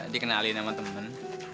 dikenalin sama temen